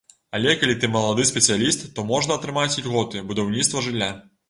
Але калі ты малады спецыяліст, то можна атрымаць ільготы, будаўніцтва жылля.